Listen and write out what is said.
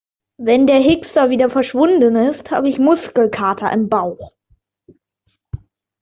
Wenn der Hickser wieder verschwunden ist, habe ich Muskelkater im Bauch.